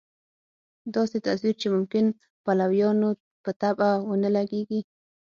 داسې تصویر چې ممکن پلویانو په طبع ونه لګېږي.